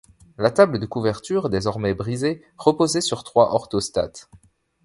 La table de couverture, désormais brisée, reposait sur trois orthostates.